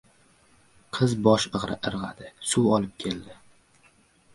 Qiz bosh irg‘adi, suv olib keldi.